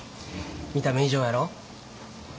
見た目以上やろ？